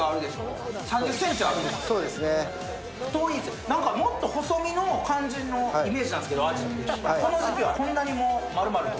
太いなんかもっと細身の感じのイメージなんですけどアジってこの時季はこんなにも丸々と？